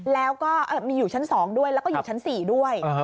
แล้วก็มีอยู่ชั้น๒ด้วยแล้วก็อยู่ชั้น๔ด้วย